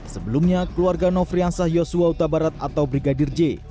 sebelumnya keluarga nofriansah yosua utabarat atau brigadir j